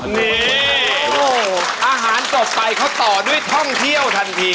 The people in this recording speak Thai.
นี่อาหารจบไปเขาต่อด้วยท่องเที่ยวทันที